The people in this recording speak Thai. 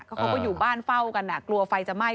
เขาก็อยู่บ้านเฝ้ากันกลัวไฟจะไหม้